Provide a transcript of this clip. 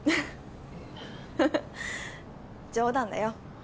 フフ冗談だよ。